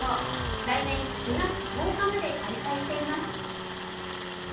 来年４月１０日まで開催しています。